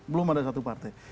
belum ada satu partai